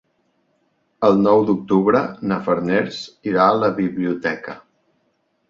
El nou d'octubre na Farners irà a la biblioteca.